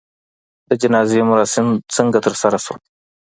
د جنازې مراسم څنګه ترسره سول؟